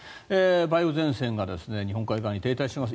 梅雨前線が日本海側に停滞しています。